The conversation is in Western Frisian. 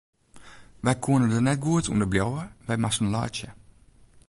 Wy koene der net goed ûnder bliuwe, wy moasten laitsje.